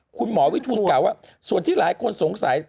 คุณหมอวิทูลกล่าวว่าส่วนที่หลายคนสงสัย